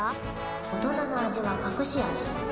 大人の味はかくし味。